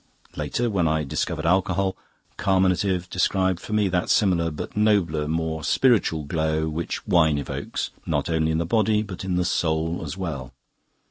Later, when I discovered alcohol, 'carminative' described for me that similar, but nobler, more spiritual glow which wine evokes not only in the body but in the soul as well.